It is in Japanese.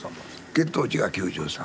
血糖値が９３。